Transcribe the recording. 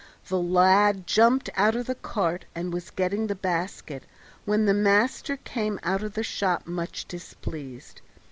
The lad jumped out of the cart and was getting the basket when the master came out of the shop much displeased.